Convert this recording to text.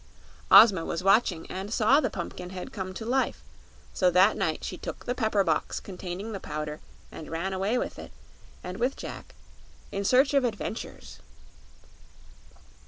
Ozma was watching, and saw the Pumpkinhead come to life; so that night she took the pepper box containing the Powder and ran away with it and with Jack, in search of adventures.